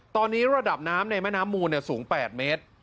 ตอนนี้ระดับน้ำในแม่น้ำมูลสูง๘เมตร